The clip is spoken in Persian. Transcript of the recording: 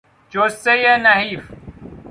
جثهی نحیف